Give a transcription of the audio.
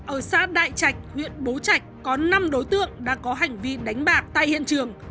ở xã đại trạch huyện bố trạch có năm đối tượng đang có hành vi đánh bạc tại hiện trường